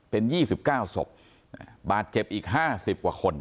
เป็น๒๙ศพบาดเจ็บอีก๕๐กว่าคน